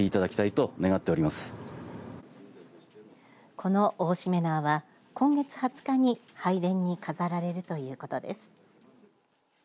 この大しめ縄は今月２０日に拝殿に飾られるということです。